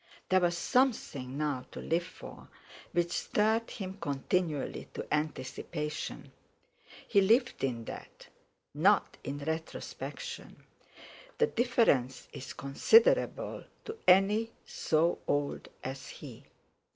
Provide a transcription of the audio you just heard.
There was something now to live for which stirred him continually to anticipation. He lived in that, not in retrospection; the difference is considerable to any so old as he.